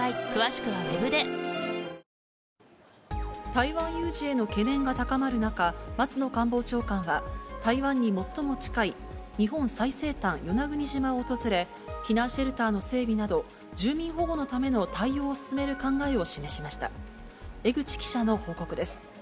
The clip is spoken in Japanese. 台湾有事への懸念が高まる中、松野官房長官は、台湾に最も近い日本最西端、与那国島を訪れ、避難シェルターの整備など、住民保護のための対応を進める考えを示しました。